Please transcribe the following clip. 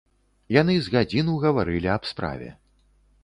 Яны з гадзіну гаварылі аб справе.